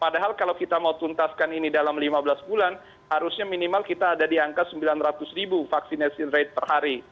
padahal kalau kita mau tuntaskan ini dalam lima belas bulan harusnya minimal kita ada di angka sembilan ratus ribu vaccination rate per hari